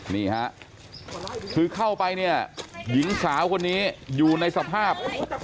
นี่ฮะคือเข้าไปเนี่ยหญิงสาวคนนี้อยู่ในสภาพ